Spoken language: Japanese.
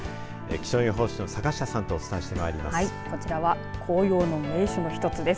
気象予報士の坂下さんとお伝えしてまいります。